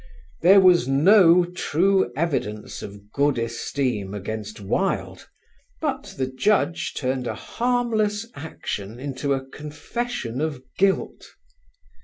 There was no "true evidence of good esteem" against Wilde, but the Judge turned a harmless action into a confession of guilt.